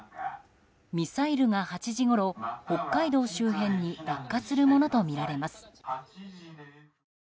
ミサイルが８時ごろ北海道周辺に落下するものとみられます。